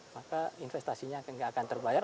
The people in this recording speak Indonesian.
maka investasinya nggak akan terbayar